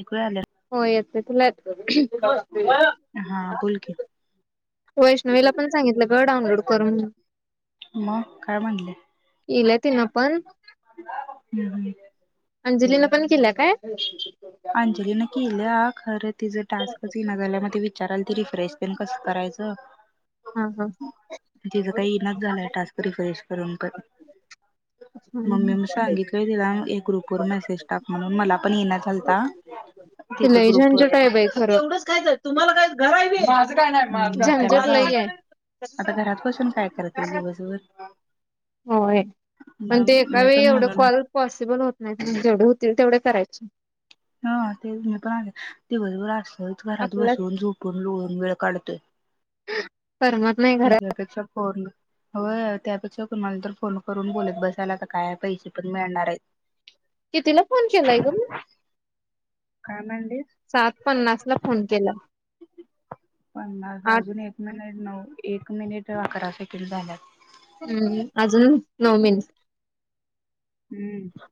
चिकूू आल्यात. हो येताय. तुला हम्म हा बोल की वैष्णवीला पण सांगितलं ग डाउनलोड करून म काय मणले? केलंय तिन पण. [inaudible] अंजलीन पण केलं काय? अंजलीने केल्या खरं तीच टास्कच येईना झालय म ते विचाराले तिनी प्रेस फील कसं करायचं? हा हा तिचा काही येईनाच झालाय टास्क. रिफ्रेश करून पण मग मी सांगितलंय तिला एक ग्रुप वर मेसेज टाक म्हणून मला पण पण येईना झालं. ते लई झंझट आहे बाई खरं. तुम्हाला काय घरा आहे का माझ काय नाही. मग त्याला झंझट काय लई आहे. आता घरात बसून काय करतील दिवसभर होय, पण मग ते एका मी वेळी पण एवढे म्हणून कॉल पॉसिबल होत नाही. जेवढे होतील तेवढेच करायची हा तेच मी पण ते दिवसभर असते. लईच घरात आपल्याला बसून, झोपून, लोळून वेळ काढतोय. करमत नाही घरात त्याच्यापेक्षा फोन. होय! त्यापेक्षा कोणाला तरी फोन करून बोलत बसायला काय पैसे पण मिळणार आहेत. कितीला फोन केलाय ग? काय म्हणलीस सात पन्नास ला फोन केला. पन्नास आठ अजून एक मिनिट नऊ, एक मिनिट अकरा सेकंड झाल्यात. हम्म अजून नऊ मिनिट. हम्म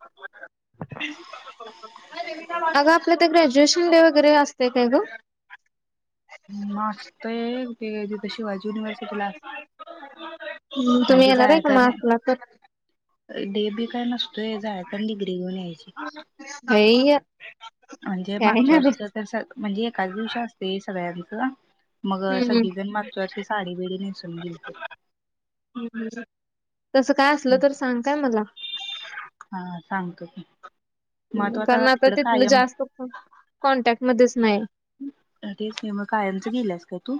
अगं आपल्या ते ग्रॅज्युएशन शिंडे [unintelligible] वगैरे असते का ग? मस्तय, तिथं शिवाजी युनिव्हर्सिटीला तुम्ही म्हणजे येणार आहे का जायाच मग असला तर नाही. डी बी काय नसतोय जायाच अन डिग्री घेऊन यायची. [unintelligible] म्हंजे काय मागच्या ना ग वर्षीचा त स म्हंजे एकाच दिवशी असते सगळ्यां का? [unintelligible] हम्म नेसून गेलतीत. हम्म तस काय असलं तर सांग काय मला. हा सांगतो की मग तो हम्म कारण आता तिकडं तिथलं कायम जास्त कॉन कॉन्टॅक्ट मध्येच नाही. तेच नाही मग कायमच गेल्यास काय तू?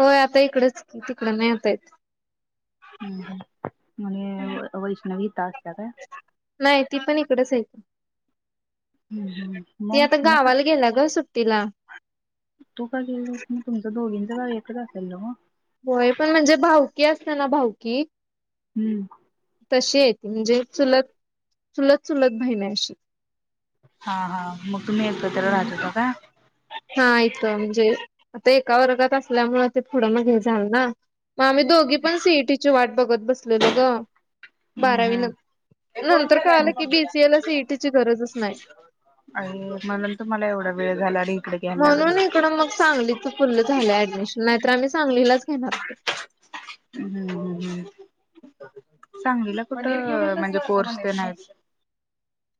होय आता इकडच तिकड नाई आता येत. हम्म म्ह वैष्णवी इंथ असत्या का? नाही ते मग आता मग कस गावाला गेला ग सुट्टीला. तू का गेलीस मग तुमच्या दोघीं सर्व एकत्र असेलं न हो. होय पण म्हंजे भाऊकी असते ना भाऊकी हम्म. कशे आहेत म्हणजे चुलत- चुलत- चुलत बहिण आहे अशी. हा -हा- मग तुम्ही एकत्र राहता का काय? हा म्हणजे ते एका वर्गात असल्यामुळे ते पुढं मागं झाल ना आम्ही दोघी पण सी ई टी ची वाट बघत बघत बसलेलो ग. बारावी हम्म न फोन नंतर केलाय कळालं मग की मम्मीला बीसीए ला [unintelligible] सीईटीची गरजच नाही अरे हो तुम्हाला एवढा वेळ झाला आणि इकडे घ्यायला लागला. म्हणून इकडं मग सांगलीच फूल्ल झालंय ऍडमिशन नाहीतर आम्ही सांगलीलाच- [unintelligible] हम्म ह हम्म सांगलीला कुठं म्हणजे कोर्स- [unintelligible]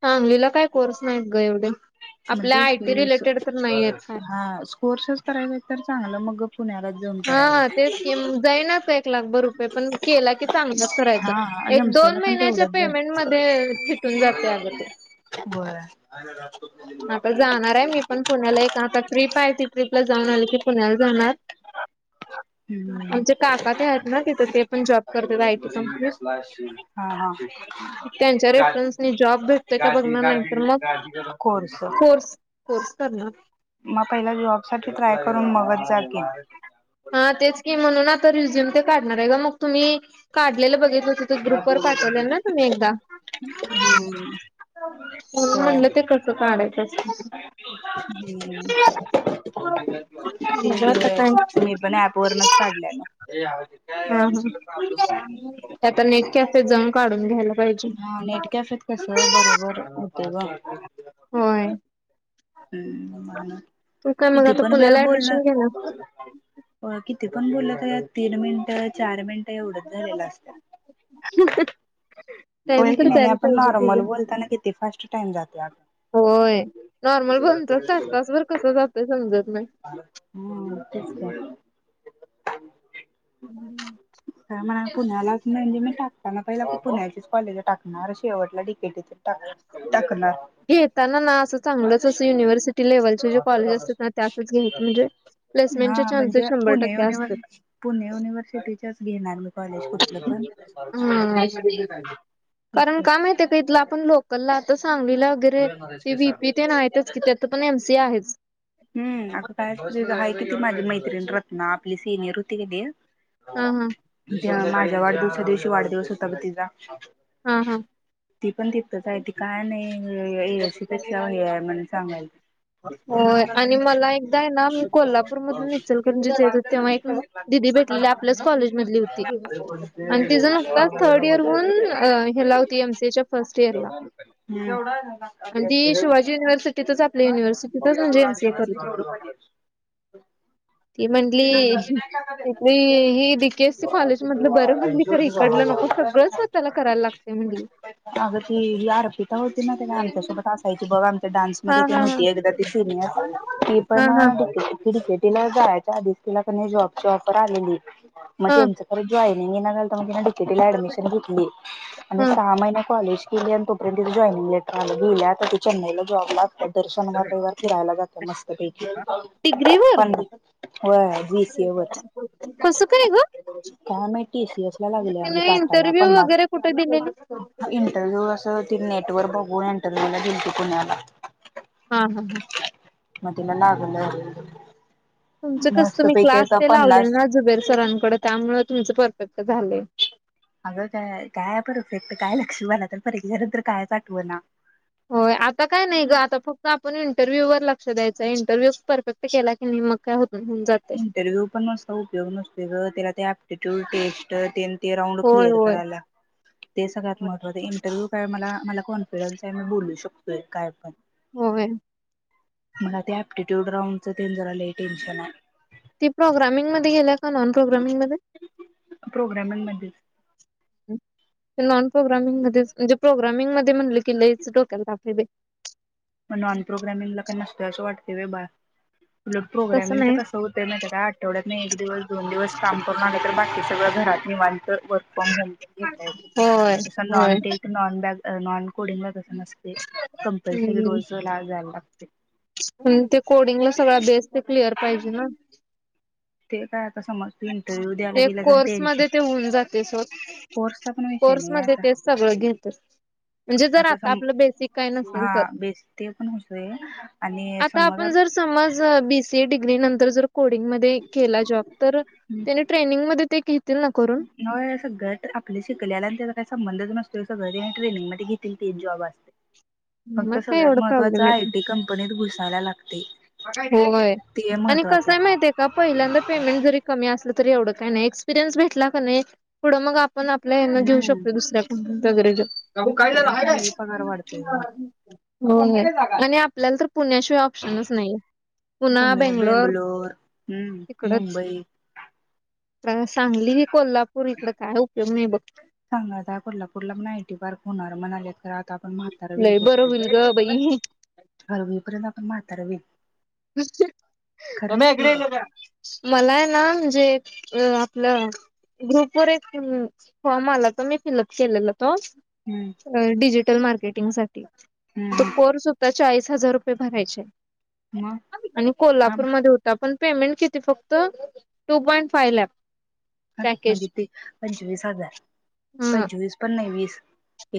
सांगलीला काय कोर्स नाहीत ग एवढे. आपल्या म्हणजे आयटी की असं रिलेटेड तर नाही काय आहेत हा कोर्सच करायचा तर चांगला [unintelligible] मग पुण्यालाच जाऊन करायचं. हा तेच कि मग जाईना एक लाखभर रुपये पण केला, की चांगलाच करायचा हा एक एमसीए ला दोन पण महिन्याच्या तेवढंच पेमेंट झालं. मध्ये फिटून जातय अग ते. होय. आता जाणार आहे मी पण पुण्याला. एक आता ट्रिप आहे ती ट्रिपला जाऊन आली की पुण्याला जाणार. हम्म. आमचे काका ते आहेत ना तिथ ते पण जॉब आता करताय जर आ य टी घरी कंपनीत, बसला असशील हा हा. त्यांच्या गादी रेफरन्सनी जॉब भेटतय का गादी बघणार नाही गादी तर गादी मग- गरम कोर्स कोर्स- कोर्स करणार मग पहिला जॉब साठी ट्राय करून मग च जा की हा तेच की म्हणून ना तर रेझूम काढणार आहे का मग तुम्ही काढलेलं बघित ल ग्रुप वर पाठवले ना तुम्ही एकदा हम्म होय. म्हणलं ते कसं काढायचं असतं हम्म ते म्हणजे आता का मी वरूनच काढलेल ए हा आता नेट कॅफे मध्ये जाऊन काढून घेतो हा नेट कॅफेत कस बरोबर होतं ग होय तू काय मग किती आता पण वेळ पुण्याला बोलला ऍडमिशन घेणार ते पण बोललात का तीन मिनिटात चार मिनिटं एवढच झालेलं असत्यात. टाइम होय की तर नाही जायला आपण पाहिजे की नॉर्मल ग बोलताना किती फस्ट टाइम जातोय आग होय नॉर्मल बनत तास तासभर कसं जातंय समजत नाही मघ त्येच कि, म्हला पुण्यालाच म्हणजे मी टाकताना पहिला पुण्याचेच टाकणार शेवटला डिके डिके घेताना ना अस चांगलंच अस युनिव्हर्सिटी लेव्हलचे जे कॉलेज असतात ना त्यातच घ्यायचं म्हणजे हा प्लेसमेंटचे चान्सेस म्हणजे शंभर पुणे टक्के असतात युनिव्हर्स पुणे युनिव्हर्सिटीच्याच घेणार मी कॉलेज कुठलं पण. हा. तेच कारण की. का माहिती का इथल पण लोकलला तस धाव्हिलीला वगैरे ती विपी ते न आहेतच कि त्यात पण एम सी आहेच. हम अगं काय आहे कि ती माझी मैत्रिण रत्ना आपली सिनियर होती की दे हा हा माझ्या वाढदिवसा दिवशी चि वाढदिवस होता ग तिचा, हा हा ती पण तिथंच आहे, ती काय नाही हम एयसी पेक्षा हे आहे म्हण होय सांगालती आणि मला एकदा आहे ना मी कोल्हापूर मधून इचलकरंजीत येत होते तेव्हा एक दिदी भेटलेली आपल्याच कॉलेज मधली होती आणि तिझ नुकतच थर्ड इयरहून हेला होती एमसीएच्या फर्स्ट इयरला. आणि ती शिवाजी युनिव्हर्सिटीतच आपली युनिव्हर्सिटीत ती म्हटली तिथली ही डीकेएससी कॉलेज मधलं बरं म्हटली खरं इकडलं नको सगळं स्वतःला करायला लागतय म्हटली अग ती हि अर्पिता होती. ती माहिती आहे काय आमच्यासोबत असायची बघ आमच्या हा डान्समध्ये तेन हा हा हुती एकदा ती सिनियर ती हा पण हा डिकेटी डिकेटीला जायच्या आधी तिला क ने जॉबची ऑफर आलेली. म हा त्येचं तरं जोय े ना तम [inaudible] डी के ला ऍडमिशन घेतली आणि हा सहा महिने कॉलेज केली आणि तोपर्यंत तिच जॉईनिंग लेटर आल, ग गेल्या आता ती तेचेन्नईला जॉबला दर शनिवार रविवार खायला जातो मस्त पैकी डिग्रीवर पण होय जिसीवर कसं ग काय माहिती टीसीएस ला लागल्या आणि तिने टाटा ला इंटरव्ह्यू पन्नास वगैरे कुठे दिलेली इंटरव्ह्यू अस ती नेटवर बघून इंटरव्ह्यू गील्लती पुण्याला हा हा हा म तिला लागलय तुमच कस तुम्ही क्लास ते लावले ना जुबेर सरांकड त्यामुळे तुमचं परफेक्ट. अ झाले. अगं काय काय परत फक्त काय लक्षी तर परीक्षे नंतर कायच आठव ना. होय आता काय नाही ग आता फक्त आपण इंटरव्ह्यू वर लागतो. लक्ष द्यायच इंटरव्ह्यू परफेक्ट केला की नाही मग काय होत. होऊन जाते इंटरव्यू पण अस् उपयोग नसतो ग त्याला ते ॲप्टिट्यूड टेस्ट ते राउंड होय क्लिअर होय करायला ते सगळ्यात महत्वाच इंटरव्यू काय मला. मला कॉन्फिडन्स आहे मी बोलू शकतोय काय पण. होय. मला ते ऍप्टिट्यूड राऊंडच ते जरा लय टेन्शन आहे. ती प्रोग्रामिंग मध्ये गेल. का नॉन प्रोग्रामिंग मध्ये प्रोग्रामिंग मध्येच नॉन प्रोग्रामिंग मध्ये म्हणजे प्रोग्रामिंग मध्ये म्हणले की लईच डोक्या तापाय बाई. मग नॉन प्रोग्रामिंगला काय नसत असं वाटतेय होय बाळा. उलट तसं प्रोग्रामिंगच नाही कसं होतय माहितीय का आठवड्यातन एक दिवस दोन दिवस काम करून आले तर. ते सगळं घरात मी मांड. तर वर्क फ्रॉम होमपण घेता येत होय तस नाॅन होय टेक नाॅन बॅग. नॉन कोडिंगला तस नसते कमीच असते. हम्म रोज लायला जायला लागते. ते कोडिंगला सगळा बेस ते क्लिअर पाहिजे ना. ते काय. समज तू इंटरव्ह्यू द्यायला ते गेला आणि कोर्स त्यांचे मध्ये ते होऊन जाते कोर्सचा पण विषय कोर्स नाही मध्ये आता ते सगळ घेत म्हणजे जर आता आपलं बेसिक काय नसेल हा तर बेस ते पण होतोय आणि आता समज आपण जर समज बीसीडग्री नंतर. तर जर कोडिंग मध्ये केला जॉब. तर त्याला ट्रेनिंग मध्ये त ते घेतील ना करून? होय असं घट आपलं शिकल्याल आणि त्याचा काही संबंधच नसतोय अस घरी ट्रेनिंग मध्ये घेतील तीन जॉबात. फक्त मग काय सगळ्यात एवढा महत्वाचं प्रॉब्लेम येत आयटी कंपनीत घुस. जायला लागत. होय आणि कसंय माहितीय आहे का पहिल्यांदा पेमेंट जरी कमी असल तरी एवढं काही नाही एक्सपिरयन्स भेटला क नाय. पुढं मग आपण आपल्या ह्यान घऊ हम्म शकतो दुसऱ्या कंपनीत. [unintelligible] काकू, काय झाल, एक्सपिरियन्स हाय न काय? लई पगार वाढतोय ग नाय. हो आणि आपल्याला तर पुण्याशिवाय ऑपश पुणे, बेंगलोर हमम मुंबई. अ सांगली, कोल्हापूर इकडं काय उपयोग नाही बघ. सांग ना आता कोल्हापुरला पण आयटी पार्क होणार म्हणाल्यात खर आ- आता आपण म्हातारव्हील लय बरं होईल ग बाई तोपर्यंत [unintelligible] पर्यंत आपण म्हातार व्हील. सम्या की इकडं ये गं जरा. मला आहे ना म्हणजे आपलं ग्रुपवर एक फॉर्म आला होता मी फिलअप केलेलं. तो हम्म डिजिटल मार्के- मीटिंगसा हम्म तो हम्म कोर्स होता चाळीस हजार रुपये भरायचे. मग आणि आम कोल्हापूरमध्ये होता. पण, पेमेंट किती फक्त टू पॉईंट फाइव लाख. हं म्हणजे ते पंचवीस हजार. हा पंचवीस पण. तेवीस.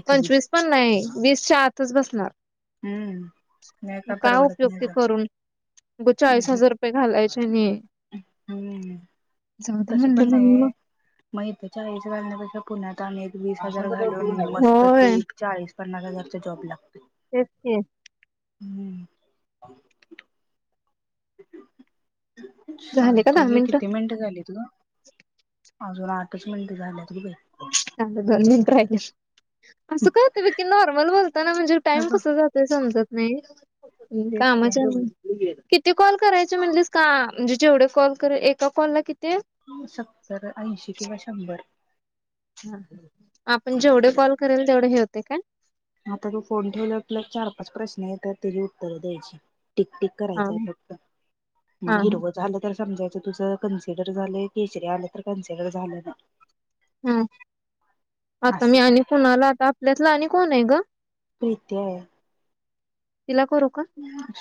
पंचवीस पण नाही वीसच्या आतच बसणार. हम्म नाही मग काय परवडत उपयोग नाही ते ज करून उगचं चाळीस हम्म हजार रुपये घालायचे आणि. जाऊ दे तस म्हणले पण नाहीये, म्हणून मग इथ चाळीस घालण्यापेक्षा. कुना थांब एक वीस हजार घालून मस्त होय तीस, चाळीस, पन्नास हजारचा जॉब लागतोय. तेच की हम्. [unintelligible] झाले का सांगतोय दहा घे मिनिटं किती मिनटं झालीत गं. अजून आठच मिनटे झाल्यात. ग बाई. अगं दोन मिनिटं राहिल्यात. असं का होतंय बग की नॉर्मल ताना म्हणजे हे टाइम बघ कसलं जातंय समजत व्हेज. हम् तेच की. कामाच किती कॉल करायचे म्हणलीस का म्हणजे जेवढे कॉल कर एका कॉलला किती. सत्तर ऐंशी किंवा शंभर. आपण जेवढे कॉल करेल तेवढे हे होतेयं काय आता तू फोन ठेवल्यावर आपल्यात चार पाच प्रश्न येत्यात त्याची उत्तरं द्यायची. टिकटक हा करायचंय फक्त हा मग हा हिरव झालं तर समजायचं तुझं कन्सिडर झालंय केचरी आले तर कन्सिडर झाले ना.. हा आता मी असं. आणि कुणाला आता आपल्यातला आणि... कोण आहे ग प्रित्या आहे. तिला करू का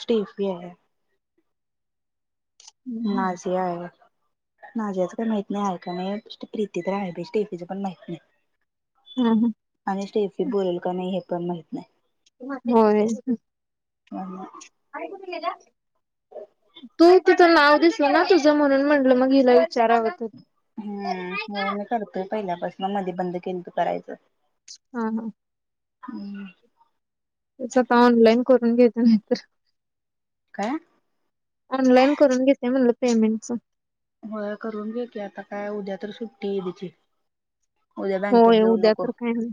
स्टीफ आहे. नाझिया आहे नाझ्याचं काही माहित नाही का नाही प्रीती तर आहेेवच पण माहित नाही. हा हा आणि स्टेफी बोलेल का नाही हे. पण माहित नाही होय हम्म तू तचं नाव दिसल ना तुझं म्हणून म्हणलं मग हिला... विचारावरत तरी होय मी करतोय पहिल्यापासून मध्ये बंद केलं करायचं. हा हा हम्म स्वतः आता ऑनलाईन करून घ्यायच नाहीतर काय ऑनलाइन करून घेते म्हणलं पेमेंटस प तर सुु्टी बचे होय उद्या तर काय नाही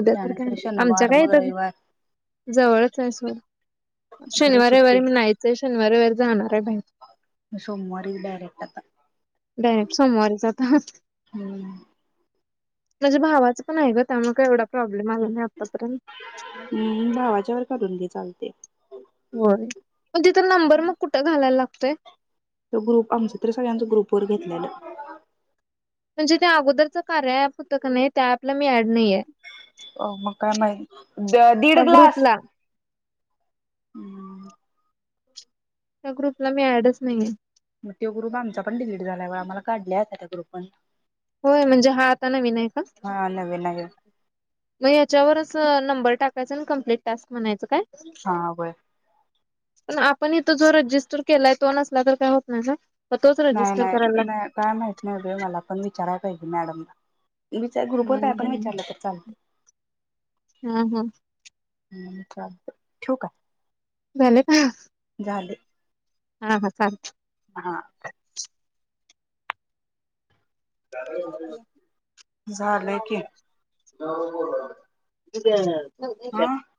उद्या तर काय त्यानंतर नाही आमच्या शनिवार काय मग इथ रविवार जवळच आहे खरं शनिवार सुट्टी रवारी मी नाहीयचंय शनिवार वव जाणार बँकेत सोमवारी डायरेक्ट आता सोमवारी जात हम्म म्हणजे भावाचं पण आहे ग त्यामुळेग एवढा प्रॉब् हम् भावाच्यावर करून घे चालते. होय नंबर मग कुठं घालायला लागतो. ते तो ग्रुप आमचा तर सगळ्यांच ग्रुप व घेतलेलं म्हणजे त्या अगोदरच कार्या होतं का नाही त्या आपल्या मी नाहीये हो मग काय माहिती दीड त्या ग्लास... ग्रुपला हम्म त्या ग्रुपला मी ऍडच नाहीे.... मग तो ग्रुप आमचा पण डिलीट झाला व आम्हाला काढल्या त्या ग्रुप पण... होय म्हणजे हा आता नवीन का हा नवे नवे मग याच्यावरच नंबर बर टाकायं कम्प्ट टास्क म्हणायं काय? हा बय पण आपण इथं जो रजिस्टर केलाय तो नसला तर काय होत नाही का? नाही नाही नाही काय माहीत नाहीबाई मला पण- कराय पाहिजे मॅडमला. विचार ग्रुपवर काय पण विचारलं तर चालत. हा हा हं. चालतं, ठेवू का? [unintelligible] का? झाल. हा हा चालतं. हा. झालं की. [unintelligible] ह [unintelligible] हा [unintelligible]